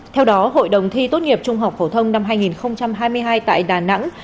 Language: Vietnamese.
theo đó hội đồng thi tốt nghiệp trung học phổ thông năm hai nghìn hai mươi hai tại đà nẵng